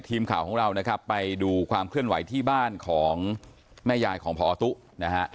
ทีมข่าวของเรานะครับไปดูความเคลื่อนไหวที่บ้านของแม่ยายของพอตุ๊นะฮะ